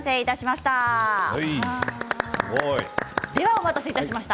お待たせいたしました。